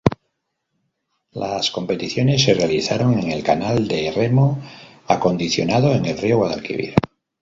Las competiciones se realizaron en el canal de remo acondicionado en el río Guadalquivir.